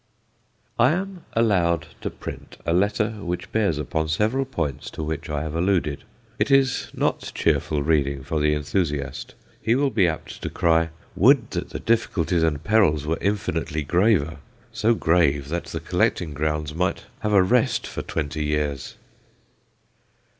I am allowed to print a letter which bears upon several points to which I have alluded. It is not cheerful reading for the enthusiast. He will be apt to cry, "Would that the difficulties and perils were infinitely graver so grave that the collecting grounds might have a rest for twenty years!"